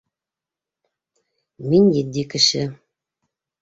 Мин етди кеше.